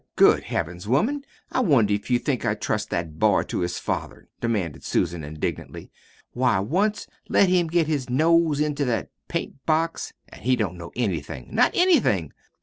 Good Heavens, woman, I wonder if you think I'd trust that boy to his father?" demanded Susan indignantly. "Why, once let him get his nose into that paint box, an' he don't know anything not anything.